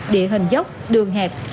địa hình dốc đường hẹp